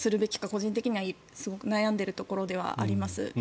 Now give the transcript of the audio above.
個人的にはすごく悩んでいるところではあります。